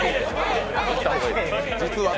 実は。